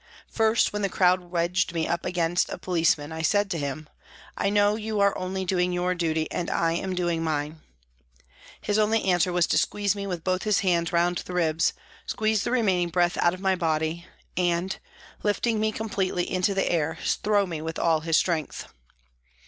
First when the crowd wedged me up against a policeman, I said to him :" I know you are only doing your duty and I am doing mine." His only answer was to seize me with both his hands round the ribs, squeeze the remaining 46 PRISONS AND PRISONERS breath out of my body and, lifting me completely into the air, throw me with all his strength.